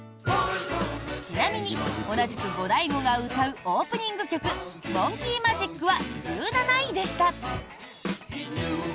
ちなみに同じくゴダイゴが歌うオープニング曲「モンキー・マジック」は１７位でした。